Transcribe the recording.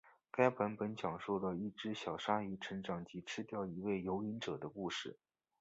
该版本讲述了一只小鲨鱼成长及吃掉一位游泳者的故事。